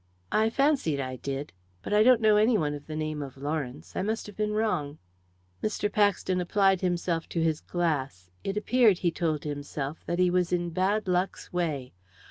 "I fancied I did. But I don't know any one of the name of Lawrence. I must have been wrong." Mr. Paxton applied himself to his glass. It appeared, he told himself, that he was in bad luck's way.